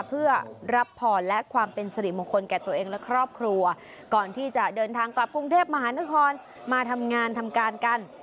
เพื่อรับพรและความเป็นสิริมงคลแก่ตัวเองและครอบครัวก่อนที่จะเดินทางกลับกรุงเทพมหานครมาทำงานทำการกัน